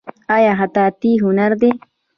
آیا خطاطي هنر دی؟